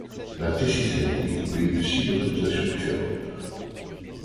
La Thesis a été équipée de six motorisations différentes.